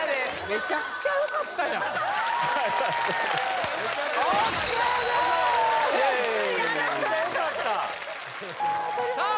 めちゃくちゃよかったさあ